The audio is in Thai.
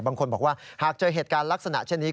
บางคนบอกว่าหากเจอเหตุการณ์ลักษณะเช่นนี้